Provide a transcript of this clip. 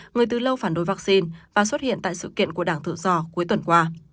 người từ lâu phản đối vaccine và xuất hiện tại sự kiện của đảng tự do cuối tuần qua